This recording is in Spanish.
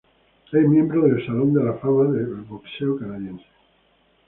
Es miembro del "Salón de la Fama" del boxeo canadiense.